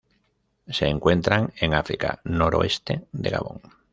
Se encuentran en África: noroeste de Gabón.